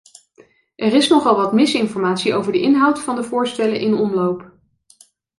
Er is nogal wat misinformatie over de inhoud van de voorstellen in omloop.